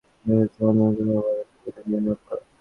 উদ্দেশ্য ছিল, নিউক্লীয় বলের প্রকৃতি নির্ণয় করা।